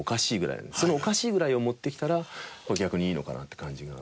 そのおかしいぐらいを持ってきたら逆にいいのかなって感じが。